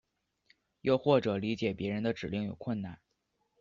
又或者理解别人的指令有困难。